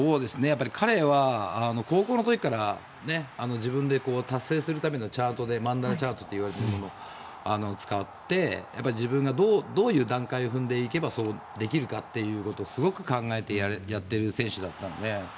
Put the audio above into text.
彼は高校のころから自分で達成するためのマンダラチャートというものを使って自分がどういう段階を踏んでいけばできるかすごく考えてやっている選手だったので。